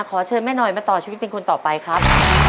ขอเชิญแม่หน่อยมาต่อชีวิตเป็นคนต่อไปครับ